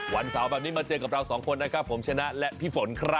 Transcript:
วันเสาร์แบบนี้มาเจอกับเราสองคนนะครับผมชนะและพี่ฝนครับ